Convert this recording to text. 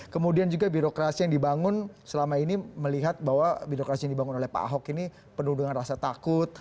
kemudian juga birokrasi yang dibangun selama ini melihat bahwa birokrasi yang dibangun oleh pak ahok ini penuh dengan rasa takut